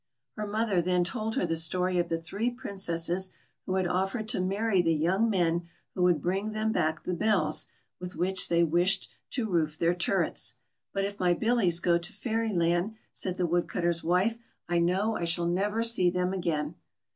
Her mother then told her the story of the three Princesses who had offered to marry the young men who would bring them back the bells with which they wished to roof their turrets. "But if my Billies goto Fairyland," said the Woodcutter's wife, " I know I shall never see them again."